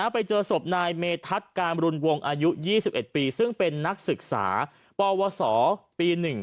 ไปเจอศพนายเมธัศนการบรุณวงศ์อายุ๒๑ปีซึ่งเป็นนักศึกษาปวสปี๑